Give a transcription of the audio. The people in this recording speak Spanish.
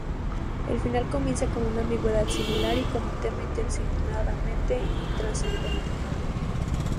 El final comienza con una ambigüedad similar y con un tema intencionadamente intrascendente.